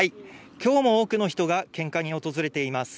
今日も多くの人が献花に訪れています。